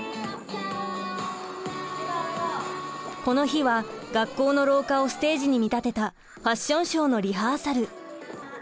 この日は学校の廊下をステージに見立てたファッションショーのリハーサル。